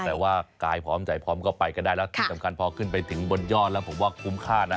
แต่ว่ากายพร้อมใจพร้อมก็ไปก็ได้แล้วที่สำคัญพอขึ้นไปถึงบนยอดแล้วผมว่าคุ้มค่านะ